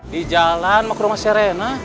di jalan mau ke rumah serena